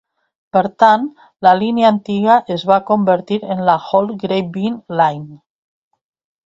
Per tant, la línia antiga es va convertir en la Old Grapevine Line.